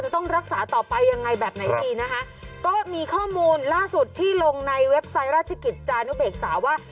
ต้องรักษาต่อไปยังไงแบบไหนดีนะคะก็มีข้อมูลล่าสุดที่ลงในเว็บไซต์ราชกิจจานุเบกษาว่า